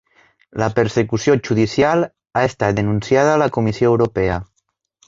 La persecució judicial ha estat denunciada a la Comissió Europea